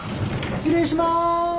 失礼します。